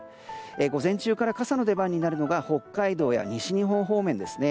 午前中から傘の出番になるのが北海道や西日本方面ですね。